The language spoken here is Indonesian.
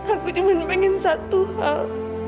aku cuma pengen satu hal